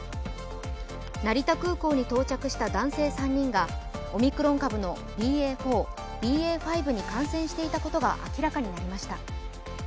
成田空港に到着した男性３人がオミクロン株のＢＡ．４、ＢＡ．５に感染していたことが明らかになりました。